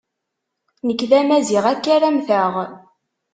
Nek d Amaziɣ, akka ara mmteɣ.